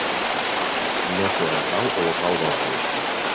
No sé on cau Olocau del Rei.